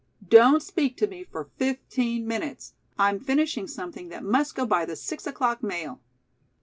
Don't speak to me for fifteen minutes. I'm finishing something that must go by the six o'clock mail."